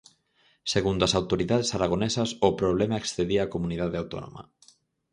Segundo as autoridades aragonesas, o problema excedía a comunidade autónoma.